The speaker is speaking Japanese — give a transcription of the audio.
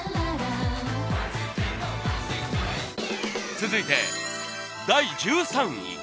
続いて第１３位。